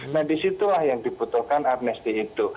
nah di situlah yang dibutuhkan amnesti itu